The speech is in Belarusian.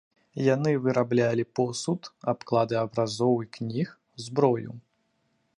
Яны выраблялі посуд, абклады абразоў і кніг, зброю.